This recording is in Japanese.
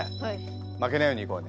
負けないようにいこうね。